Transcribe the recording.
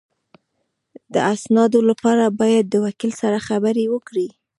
د اسنادو لپاره باید د وکیل سره خبرې وکړې